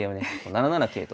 ７七桂と。